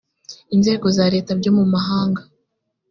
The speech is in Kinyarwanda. inzego za leta byo mu mahanga